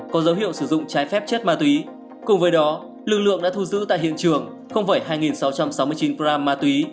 có dấu hiệu sử dụng trái phép chất ma túy cùng với đó lực lượng đã thu giữ tại hiện trường hai sáu trăm sáu mươi chín gram ma túy